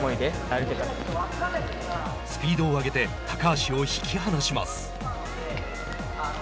スピードを上げて高橋を引き離します。